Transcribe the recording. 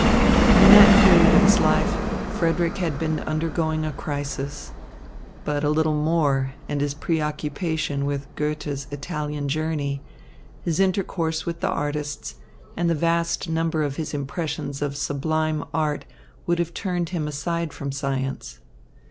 In that period of his life, Frederick had been undergoing a crisis. But a little more and his preoccupation with Goethe's "Italian Journey," his intercourse with the artists, and the vast number of his impressions of sublime art would have turned him aside from science.